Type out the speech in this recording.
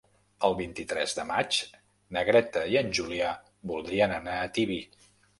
El vint-i-tres de maig na Greta i en Julià voldrien anar a Tibi.